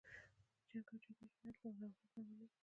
د جنګ او جګړې هیت له لرغونې زمانې.